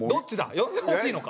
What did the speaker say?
呼んでほしいのか？